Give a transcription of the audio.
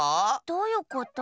どういうこと？